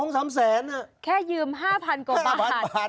๒๓แสนน่ะแค่ยืม๕๐๐๐กว่าบาท